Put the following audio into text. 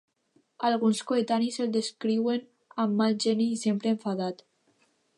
Alguns coetanis el descriuen amb mal geni i sempre enfadat.